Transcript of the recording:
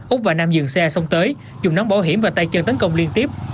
úc và nam dừng xe xong tới dùng nón bảo hiểm và tay chân tấn công liên tiếp